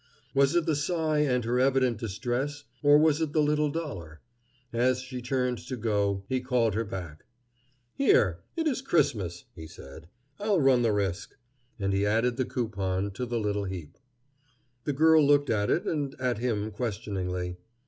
Was it the sigh and her evident distress, or was it the little dollar? As she turned to go, he called her back: "Here, it is Christmas!" he said. "I'll run the risk." And he added the coupon to the little heap. The girl looked at it and at him questioningly.